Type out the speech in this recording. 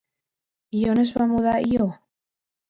I on es va mudar Ió?